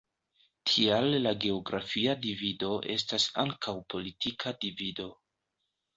Tial la geografia divido estas ankaŭ politika divido.